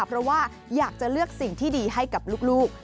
เพราะว่าอยากจะเลือกสิ่งที่ดีให้กับลูก